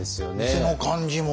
店の感じも。